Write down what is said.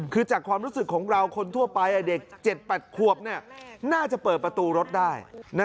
คือจากความรู้สึกของเราคนทั่วไปเด็ก๗๘ขวบน่าจะเปิดประตูรถได้